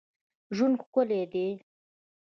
ژوند ښکلی دئ.